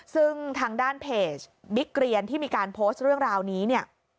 ซึ่งทางด้านเพจบิ๊กเรียนที่มีการโพสต์เรื่องราวนี้เนี่ย